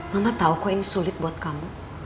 mama tahu kok ini sulit buat kamu